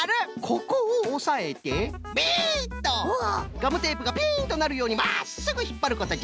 ガムテープがピンとなるようにまっすぐひっぱることじゃ。